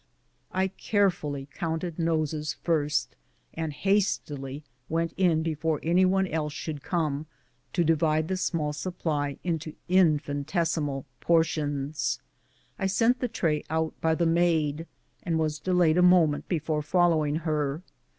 I carefully counted noses first, and hastily went in before any one else should come, to divide the small supply into in IMPROVEMENTS AT THE POST, AND GARDENING. 173 finitesimal portions. I sent the tray out by the maid, and was delayed a moment before following her.